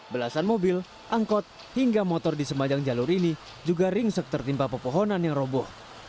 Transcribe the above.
belasan mobil angkot hingga motor di semajang jalur ini juga ringsek tertimpa pepohonan yang roboh